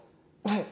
はい。